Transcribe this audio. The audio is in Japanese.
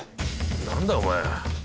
何だお前。